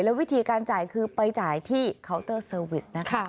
วิธีการจ่ายคือไปจ่ายที่เคาน์เตอร์เซอร์วิสนะคะ